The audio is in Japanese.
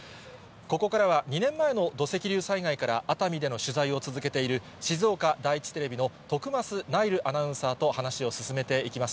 ここからは２年前の土石流災害から、熱海での取材を続けている静岡第一テレビの徳増ないるアナウンサーと話を進めていきます。